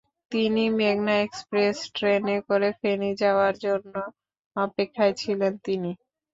তিনি মেঘনা এক্সপ্রেস ট্রেনে করে ফেনী যাওয়ার জন্য অপেক্ষায় ছিলেন তিনি।